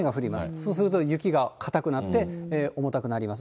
そうすると雪が固くなって、重たくなります。